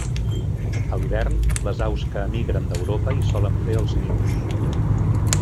A l'hivern les aus que emigren d'Europa hi solen fer els nius.